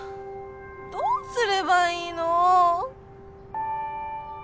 どうすればいいの？